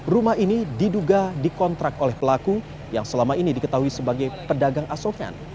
rumah ini diduga dikontrak oleh pelaku yang selama ini diketahui sebagai pedagang asofan